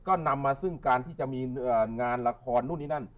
ก็นำมาซึ่งการที่จะมีงานละครนู่นนี่นั่น